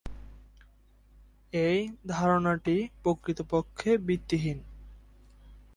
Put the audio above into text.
এই ধারণাটি প্রকৃতপক্ষে ভিত্তিহীন।